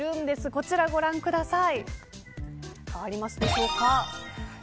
こちらご覧ください。